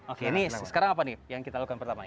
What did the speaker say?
oke ini sekarang apa nih yang kita lakukan pertama ini